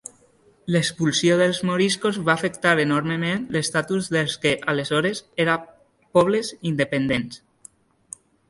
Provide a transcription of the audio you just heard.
L'expulsió dels moriscos va afectar enormement l'estatus dels que, aleshores, era pobles independents.